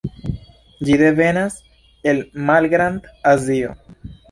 Ĝi devenas el Malgrand-Azio.